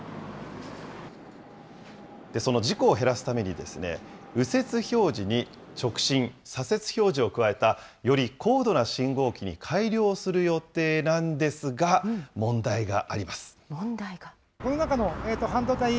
その事故を減らすために、右折表示に直進、左折表示を加えた、より高度な信号機に改良する予定なんですが、問題が。